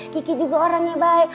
kiki juga orangnya baik